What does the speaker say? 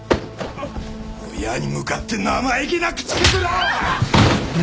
親に向かって生意気な口利くな！